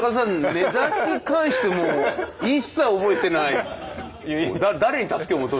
値段に関してもう一切覚えてない。